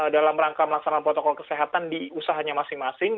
dalam rangka melaksanakan protokol kesehatan di usahanya masing masing